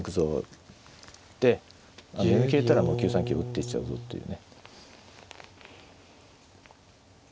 で読み切れたらもう９三香打ってっちゃうぞというね。